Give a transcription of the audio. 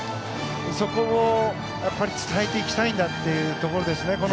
そこを伝えていきたいんだというところですね。